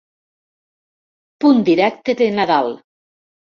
Punt directe de Nadal.